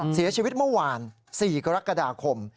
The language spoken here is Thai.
เสียชีวิตเมื่อวาน๔กรกฎาคม